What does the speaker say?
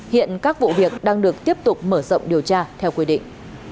hiện các vụ việc đang được tiếp tục mở rộng điều tra theo quy định